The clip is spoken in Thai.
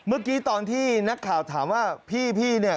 เมื่อกี้ตอนที่นักข่าวถามว่าพี่เนี่ย